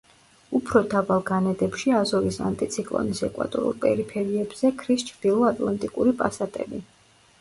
უფრო დაბალ განედებში აზორის ანტიციკლონის ეკვატორულ პერიფერიებზე ქრის ჩრდილო ატლანტიკური პასატები.